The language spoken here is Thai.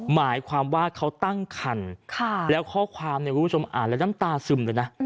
หมายความว่าเขาตั้งคันแล้วข้อความเนี่ยคุณผู้ชมอ่านแล้วน้ำตาซึมเลยนะ